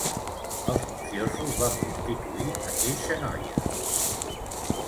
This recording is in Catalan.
Els mafiosos van prostituir aqueixa noia.